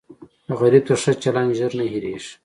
غریب ته ښه چلند زر نه هېریږي